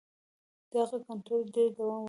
دغه کنټرول ډېر دوام ونه کړ.